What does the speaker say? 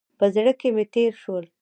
په زړه کې مې تېر شول.